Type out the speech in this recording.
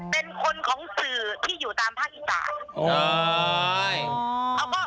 เป็นคนของสื่อที่อยู่ตามภาคอีสาน